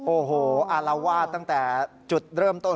โอ้โฮเราว่าตั้งแต่จุดเริ่มต้น